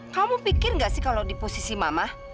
kamu pikir nggak sih kalau di posisi mama